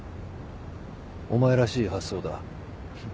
お前らしい発想だ。